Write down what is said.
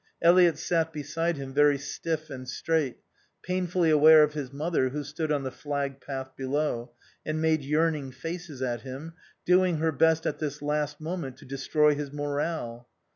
Eliot sat beside him, very stiff and straight, painfully aware of his mother who stood on the flagged path below, and made yearning faces at him, doing her best, at this last moment, to destroy his morale.